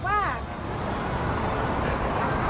สวัสดีครับ